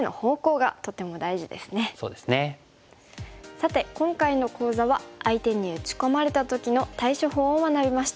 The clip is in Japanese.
さて今回の講座は相手に打ち込まれた時の対処法を学びました。